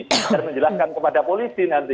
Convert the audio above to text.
biar menjelaskan kepada polisi nanti